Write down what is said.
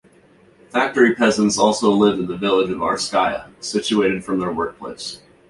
Factory peasants also lived in the village of Arskaya, situated from their work place.